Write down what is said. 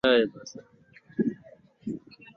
Daraja la mikoko ni moja ya vivutio ndani ya msitu huo